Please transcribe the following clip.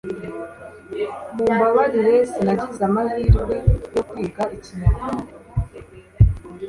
mumbabarire sinagize amahirwe yo kwiga ikinyarwanda